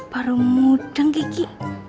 baru mudeng gigi